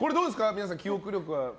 皆さん、記憶力は。